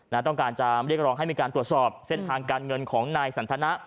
ต้องการจะเรียกร้องให้มีการตรวจสอบเส้นทางการเงินของนายสันทนะ